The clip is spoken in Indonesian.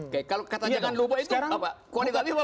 kalau katanya jangan lupa itu apa